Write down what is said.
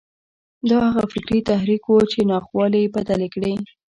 دا هغه فکري تحرک و چې ناخوالې یې بدلې کړې